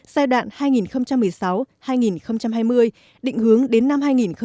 giai đoạn hai nghìn một mươi sáu hai nghìn hai mươi định hướng đến năm hai nghìn ba mươi